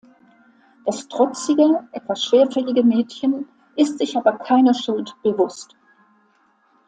Das trotzige, etwas schwerfällige Mädchen ist sich aber keiner Schuld bewusst.